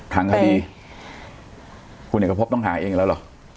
ทางคดีคุณเอกพบต้องหาเองแล้วเหรอ